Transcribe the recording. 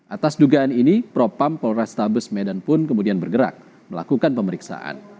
atas dugaan ini propam polrestabes medan pun kemudian bergerak melakukan pemeriksaan